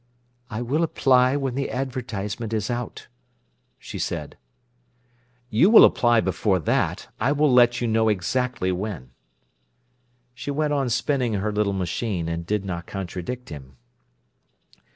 "I will apply when the advertisement is out," she said. "You will apply before that. I will let you know exactly when." She went on spinning her little machine, and did not contradict him.